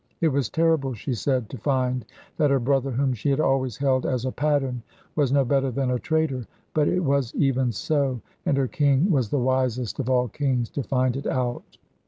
It was terrible, she said, to find that her brother, whom she had always held as a pattern, was no better than a traitor; but it was even so, and her king was the wisest of all kings to find it out.